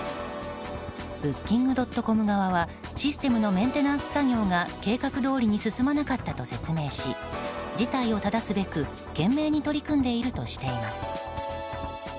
ブッキングドットコム側はシステムのメンテナンス作業が計画どおりに進まなかったと説明し事態をただすべく、懸命に取り組んでいるとしています。